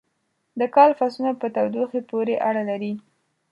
د کال فصلونه په تودوخې پورې اړه لري.